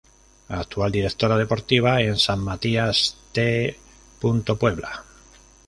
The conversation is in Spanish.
Actual Directora Deportiva en San Matías T. Puebla.